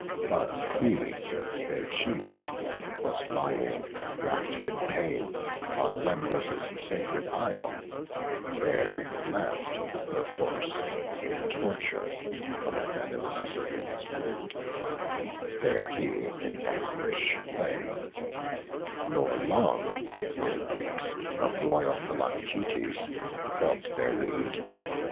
But he, their chief, was lying, rack'd with pain, On Lemnos' sacred isle; there left perforce In torture from a venomous serpent's wound: There he in anguish lay: nor long, ere Greeks Of royal Philoctetes felt their need.